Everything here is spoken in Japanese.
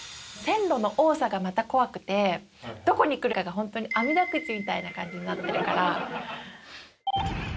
線路の多さがまた怖くて、どこに来るかが本当にあみだくじみたいな感じになってるから。